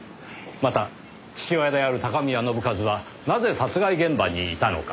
また父親である高宮信一はなぜ殺害現場にいたのか。